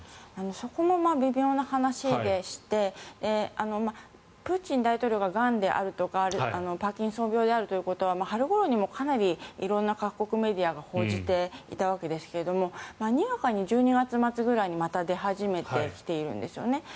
そこも微妙な話でしてプーチン大統領ががんであるとかパーキンソン病であるということは春ごろにもかなり色んな各国メディアが報じていたわけですがにわかに１２月末ぐらいにまた出始めてきているんですね。